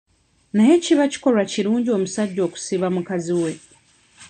Naye kiba kikolwa kirungi omusajja okusiiba mukazi we?